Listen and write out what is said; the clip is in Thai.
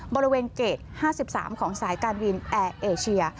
บริเวณเกรด๕๓ของสายการบินแอร์เอเชีย